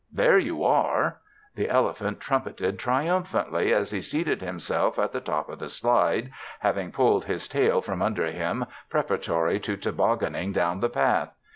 "There you are!" The elephant trumpeted triumphantly as he seated himself at the top of the slide, having pulled his tail from under him preparatory to tobogganning down the path.